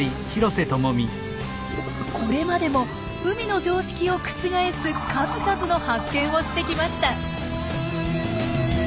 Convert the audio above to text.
これまでも海の常識を覆す数々の発見をしてきました。